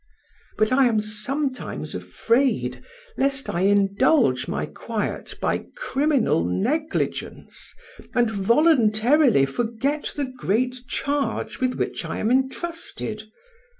But I am sometimes afraid, lest I indulge my quiet by criminal negligence, and voluntarily forget the great charge with which I am entrusted.